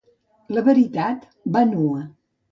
La veritat va nua.